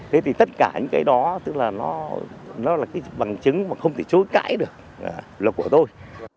thế thì tất cả những cái đó tức là nó là cái bằng chứng mà không thể chối cãi được là của tôi